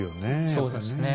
そうですね。